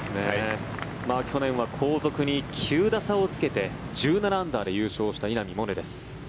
去年は後続に９打差をつけて１７アンダーで優勝した稲見萌寧です。